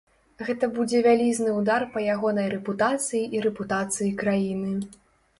Гэта будзе вялізны ўдар па ягонай рэпутацыі і рэпутацыі краіны.